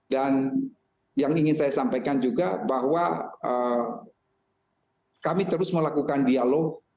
dan yang ingin saya sampaikan juga bahwa kami terus melakukan dialog